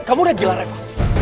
kamu udah gila reva